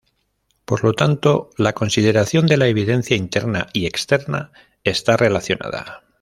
Por lo tanto, la consideración de la evidencia interna y externa está relacionada.